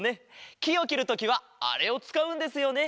きをきるときはあれをつかうんですよね。